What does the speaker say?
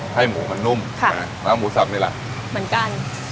ให้หมูมันนุ่มแล้วหมูสับนี่แหละเหมือนกัน